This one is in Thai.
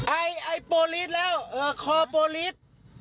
ไอไอโปรลิสแล้วคอโปรีส